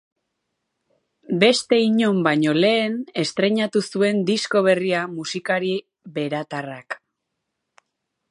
Beste inon baino lehen estreinatu zuen disko berria musikari beratarrak.